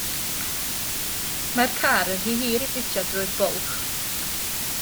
Mae'r car yn rhy hir i ffitio drwy'r bwlch.